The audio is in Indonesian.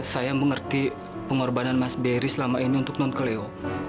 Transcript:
saya mengerti pengorbanan mas beri selama ini untuk non keleo